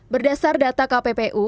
berdasar data kppu